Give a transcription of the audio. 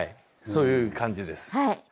そういう感じです。